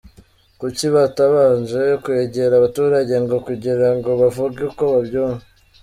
Kuki batabanje kwegera abaturage ngo kugira ngo bavuge uko babyumva?”